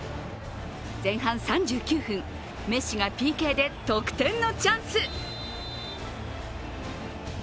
前半３９分、メッシがＰＫで得点のチャンス。